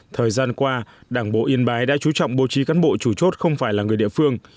thời gian qua đảng bộ yên bái đã chú trọng bố trí cán bộ chủ chốt không phải là người địa phương